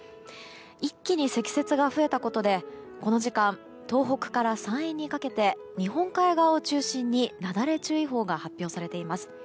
一気に積雪が増えたことでこの時間東北から山陰にかけて日本海側を中心になだれ注意報が発表されています。